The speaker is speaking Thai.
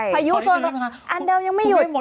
พยายุโซนอ่ะค่ะอันเดิมยังไม่หยุด